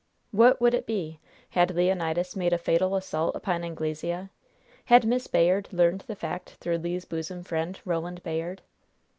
What would it be? Had Leonidas made a fatal assault upon Anglesea? Had Miss Bayard learned the fact through Le's bosom friend, Roland Bayard?